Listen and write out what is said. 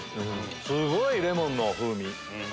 すごいレモンの風味。